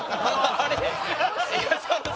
あれ？